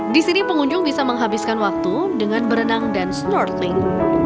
di sini pengunjung bisa menghabiskan waktu dengan berenang dan snorkeling